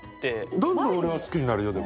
どんどん俺は好きになるよでも。